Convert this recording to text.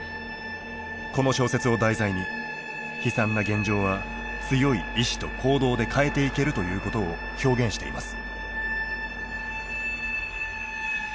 この小説を題材に悲惨な現状は強い意志と行動で変えていけるということを表現しています。